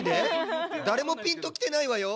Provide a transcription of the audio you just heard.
だれもピンときてないわよ。